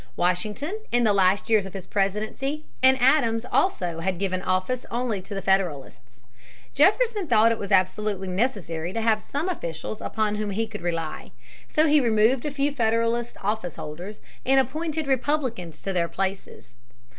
Washington, in the last years of his presidency, and Adams also had given office only to Federalists. Jefferson thought it was absolutely necessary to have some officials upon whom he could rely. So he removed a few Federalist officeholders and appointed Republicans to their places.